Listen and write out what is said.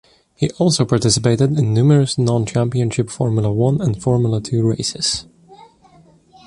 He also participated in numerous non-Championship Formula One and Formula Two races.